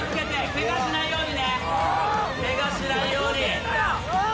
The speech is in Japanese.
ケガしないように。